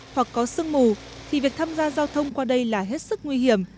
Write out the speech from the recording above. hoặc có sương mù thì việc tham gia giao thông qua đây là hết sức nguy hiểm